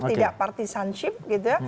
tidak partisanship gitu ya